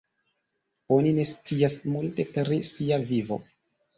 Oni ne scias multe pri sia vivo.